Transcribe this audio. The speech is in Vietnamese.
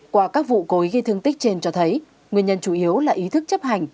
qua các vụ cối gây thương tích trên cho thấy nguyên nhân chủ yếu là ý thức chấp hành